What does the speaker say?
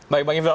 baik bang yifil